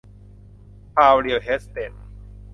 พราว เรียล เอสเตท